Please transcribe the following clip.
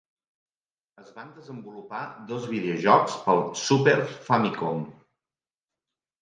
Es van desenvolupar dos videojocs pel "Super Famicom".